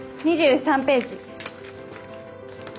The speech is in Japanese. ２３ページ。